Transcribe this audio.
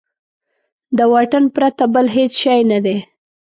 د واټن پرته بل هېڅ شی نه دی.